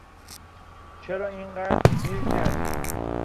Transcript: چرا این قدر دیر کردی؟